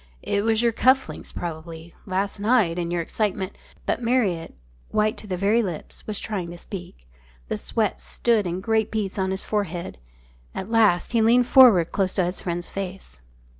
"It was your cuff links probably. Last night in your excitement " But Marriott, white to the very lips, was trying to speak. The sweat stood in great beads on his forehead. At last he leaned forward close to his friend's face.